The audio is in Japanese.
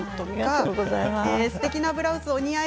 すてきなブラウス、お似合い。